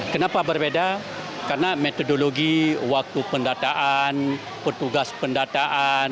kenapa berbeda karena metodologi waktu pendataan petugas pendataan